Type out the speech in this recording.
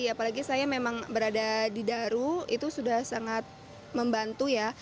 apalagi saya memang berada di daru itu sudah sangat membantu ya